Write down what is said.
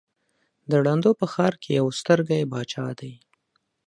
د ړندو په ښآر کې يک سترگى باچا دى.